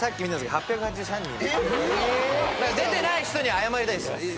出てない人に謝りたいです。